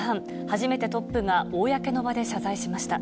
初めてトップが公の場で謝罪しました。